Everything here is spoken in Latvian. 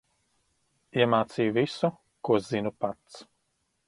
Iemācīju visu, ko zinu pats.